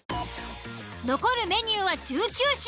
残るメニューは１９品。